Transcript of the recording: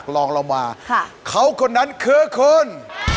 กล่องแบรนด์